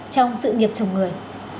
trong sự nghiệp chồng người